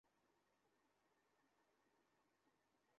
সে বলেছে আমি যদি আপনাকে বলি সে আমাকে মেরে ফেলবে কে?